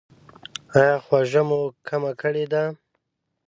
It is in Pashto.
ایا خوږه مو کمه کړې ده؟